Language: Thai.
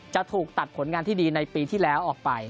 จะถูกตัดผลงานที่ดีในปีที่แล้วออกไป